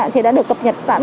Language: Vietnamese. thì đã được cập nhật sẵn